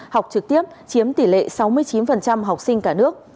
học trực tiếp chiếm tỷ lệ sáu mươi chín học sinh cả nước